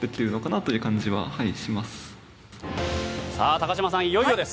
高島さん、いよいよです。